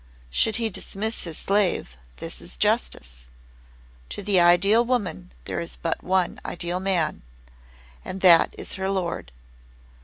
Should he dismiss his slave, this is justice. To the Ideal Woman there is but one Ideal Man and that is her lord.